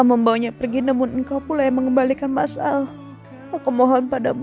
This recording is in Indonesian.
membawanya pergi namun engkau pulai mengembalikan masal aku mohon padamu